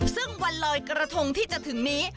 ซึ่งวันลอยกระทงที่จะถึงนี้